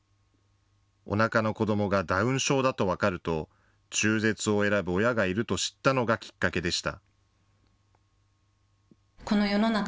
おなかの子どもがダウン症だと分かると、中絶を選ぶ親がいると知ったのがきっかけでした。